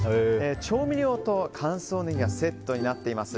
調味料と乾燥ネギがセットになっています。